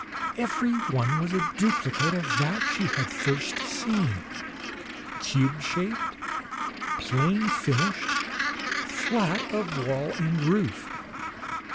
Every one was a duplicate of that she had first seen: cube shaped, plain finished, flat of wall and roof.